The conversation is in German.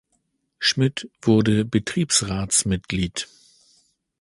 Schmidt wurde Betriebsratsmitglied.